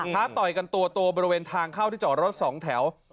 ต่อยกันตัวบริเวณทางเข้าที่จอดรถสองแถว